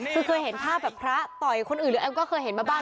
คือเคยเห็นภาพแบบพระต่อยคนอื่นแล้วเคยเห็นบ้าง